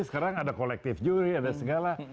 sekarang ada kolektif juri ada segala